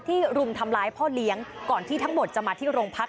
รุมทำร้ายพ่อเลี้ยงก่อนที่ทั้งหมดจะมาที่โรงพัก